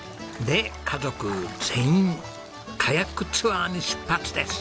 で家族全員カヤックツアーに出発です！